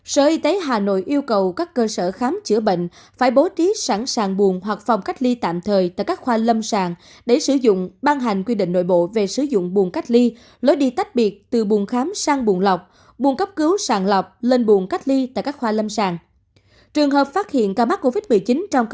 sở y tế hà nội yêu cầu các cơ sở khám chữa bệnh phải bố trí sẵn sàng buồn hoặc phòng cách ly tạm thời tại các khoa lâm sàng để sử dụng ban hành quy định nội bộ về sử dụng buồng cách ly lối đi tách biệt từ buồn khám sang buồn lọc buồn cấp cứu sàng lọc lên buồn cách ly tại các khoa lâm sàng